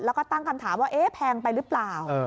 แล้วก็ตั้งคำถามว่าเอ๊ะแพงไปหรือเปล่า